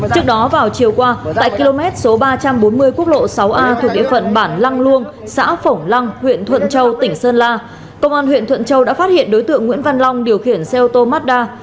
trước đó vào chiều qua tại km số ba trăm bốn mươi quốc lộ sáu a thuộc địa phận bản lăng luông xã phổng lăng huyện thuận châu tỉnh sơn la công an huyện thuận châu đã phát hiện đối tượng nguyễn văn long điều khiển xe ô tô mazda